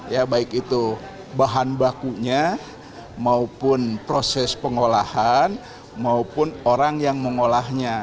ya baik itu bahan bakunya maupun proses pengolahan maupun orang yang mengolahnya